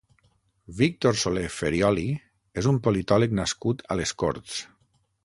Víctor Solé Ferioli és un politòleg nascut a les Corts.